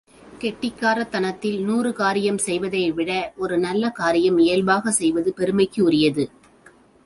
கெட்டிக்காரத் தனத்தில் நூறு காரியம் செய்வதைவிட ஒரு நல்ல காரியம் இயல்பாகச் செய்வது பெருமைக்குரியது.